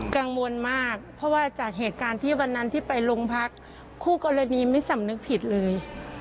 กังวลมากเพราะว่าจากเหตุการณ์ที่วันนั้นที่ไปโรงพักคู่กรณีไม่สำนึกผิดเลย